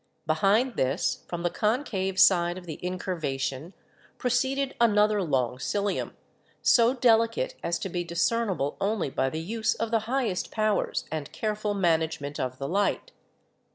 Behind this, from the concave side of the incurvation, proceeded another long cilium, so delicate as to be discernible only by the use of the highest powers and careful management of the light.